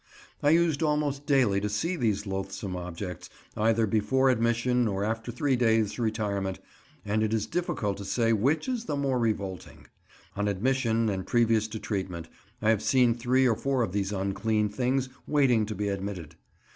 I used almost daily to see these loathsome objects, either before admission or after three days' retirement, and it is difficult to say which is the most revolting. On admission, and previous to treatment, I have seen three or four of these unclean things waiting to be admitted.